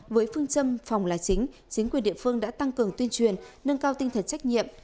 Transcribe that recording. với phương châm phòng là chính chính quyền địa phương đã tăng cường tuyên truyền nâng cao tinh thần trách nhiệm